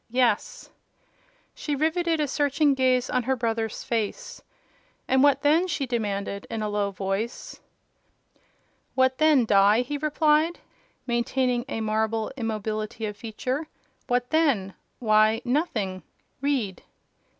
"Yes." She riveted a searching gaze on her brother's face. "And what then?" she demanded, in a low voice. "What then, Die?" he replied, maintaining a marble immobility of feature. "What then? Why—nothing. Read."